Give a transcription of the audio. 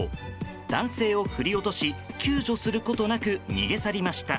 男性を振り落とし救助することなく逃げ去りました。